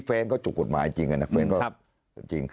โอเคแฟนก็จุกกฎหมายจริงนะแฟนก็จุกกฎหมายจริง